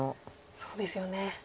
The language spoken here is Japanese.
そうですよね。